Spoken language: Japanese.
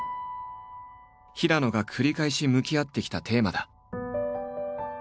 平野が繰り返し向き合ってきたテーマだ。